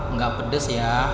nggak pedes ya